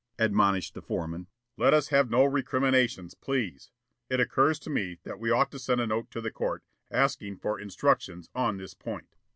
admonished the foreman. "Let us have no recriminations, please. It occurs to me that we ought to send a note to the court, asking for instructions on this point."